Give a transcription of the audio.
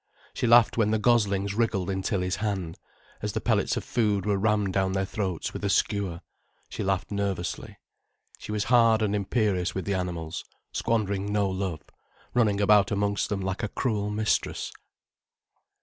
She laughed when the goslings wriggled in Tilly's hand, as the pellets of food were rammed down their throats with a skewer, she laughed nervously. She was hard and imperious with the animals, squandering no love, running about amongst them like a cruel mistress.